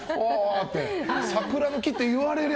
桜の木って言われりゃ